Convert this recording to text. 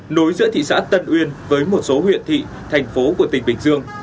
nối giữa thị xã tân uyên với một số huyện thị thành phố của tỉnh bình dương